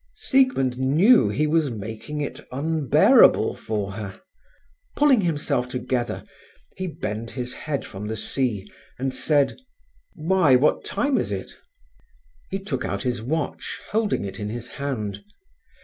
Siegmund knew he was making it unbearable for her. Pulling himself together, he bent his head from the sea, and said: "Why, what time is it?" He took out his watch, holding it in his hand.